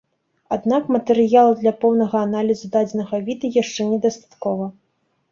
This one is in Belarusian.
Аднак матэрыялу для поўнага аналізу дадзенага віда яшчэ недастаткова.